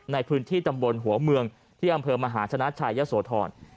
ในพื้นที่ตำบลหัวเมืองที่อำเภอมหาชนะชัยยะโสธร